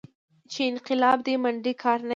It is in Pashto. چې انقلاب دې منډې کار نه دى.